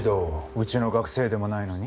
うちの学生でもないのに？